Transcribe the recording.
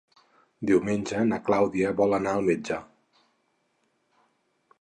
Diumenge na Clàudia vol anar al metge.